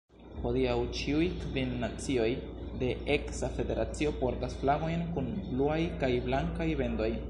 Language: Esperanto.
Hodiaŭ ĉiuj kvin nacioj de eksa federacio portas flagojn kun bluaj kaj blankaj bendoj.